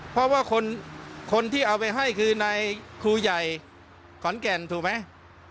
เพราะว่าคนที่เอาไปให้คือนายครูใหญ่ขอนแก่นถูกไหม